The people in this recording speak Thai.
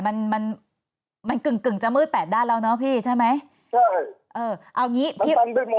มันกึ่งจะมืดแปดด้านแล้วนะพี่ใช่ไหม